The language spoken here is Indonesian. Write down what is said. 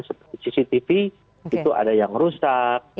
seperti cctv itu ada yang rusak